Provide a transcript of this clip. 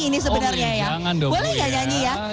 ini sebenarnya ya boleh nggak nyanyi ya